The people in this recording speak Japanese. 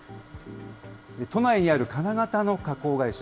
都内にある金型の加工会社。